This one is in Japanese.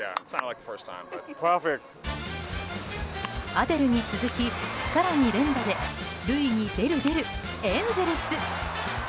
アデルに続き、更に連打で塁に出る出る、エンゼルス！